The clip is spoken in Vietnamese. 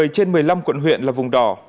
một mươi trên một mươi năm quận huyện là vùng đỏ